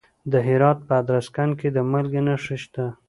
د هرات په ادرسکن کې د مالګې نښې شته.